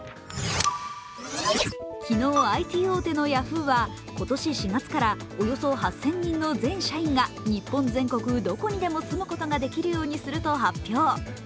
昨日ＩＴ大手のヤフーは今年４月からおよそ８０００人の全社員が日本全国どこにでも住むことができるようにすると発表。